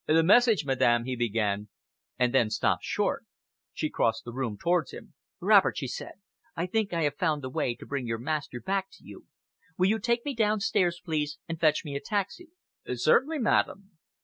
"The message, madam," he began and then stopped short. She crossed the room towards him. "Robert," she said, "I think I have found the way to bring your master back to you. Will you take me downstairs, please, and fetch me a taxi?" "Certainly, madam!"